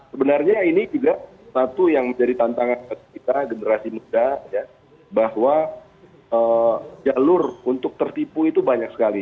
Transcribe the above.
sebenarnya ini juga satu yang menjadi tantangan kita generasi muda ya bahwa jalur untuk tertipu itu banyak sekali